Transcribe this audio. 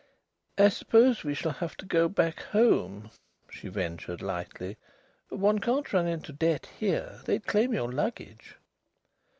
"I suppose we shall have to go back home," she ventured lightly. "One can't run into debt here. They'd claim your luggage."